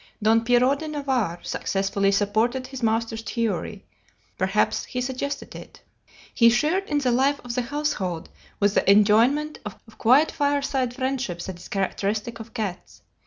Don Pierrot de Navarre successfully supported his master's theory; perhaps he suggested it.] "He shared in the life of the household with the enjoyment of quiet fireside friendship that is characteristic of cats.